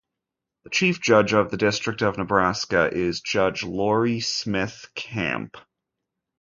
The Chief Judge of the District of Nebraska is Judge Laurie Smith Camp.